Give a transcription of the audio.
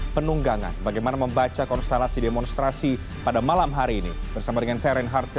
cnn indonesia breaking news